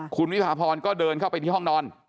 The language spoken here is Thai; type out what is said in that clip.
คุณวิพาพรก็เดินเข้าไปที่ห้องนอน